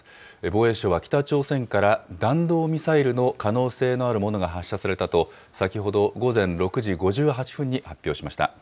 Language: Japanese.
防衛省は北朝鮮から弾道ミサイルの可能性のあるものが発射されたと、先ほど午前６時５８分に発表しました。